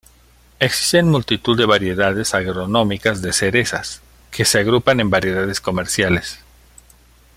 Existen multitud de variedades agronómicas de cerezas, que se agrupan en variedades comerciales.